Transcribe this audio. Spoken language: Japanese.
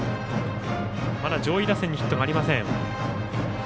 まだ上位打線にヒットがありません。